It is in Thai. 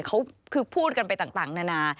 เขาคือพูดกันไปต่างนานา